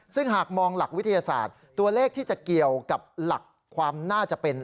ซึ่งหากมองหลักวิทยาศาสตร์ตัวเลขที่จะเกี่ยวกับหลักความน่าจะเป็น